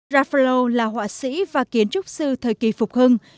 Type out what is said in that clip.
raflo là họa sĩ và kiến trúc sư thời kỳ phục hưng